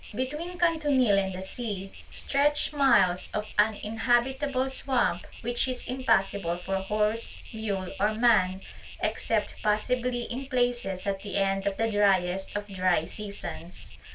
Between Kantunil and the sea stretch miles of uninhabitable swamp which is impassable for horse, mule or man except possibly in places at the end of the driest of dry seasons.